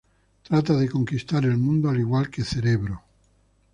Trata de conquistar el mundo al igual que Cerebro.